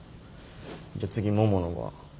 じゃあ次ももの番。